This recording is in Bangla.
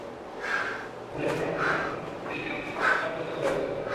ফলে শাটল ট্রেন বন্ধ করে দিলে ক্যাম্পাস কার্যত অচল হয়ে পড়ে।